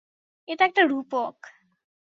এটা একটা রূপক।